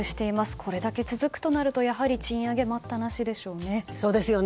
これだけ続くとなると賃上げ待ったなしでしょうね。